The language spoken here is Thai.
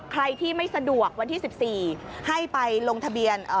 ใครที่ไม่สะดวกวันที่๑๔ให้ไปลงทะเบียน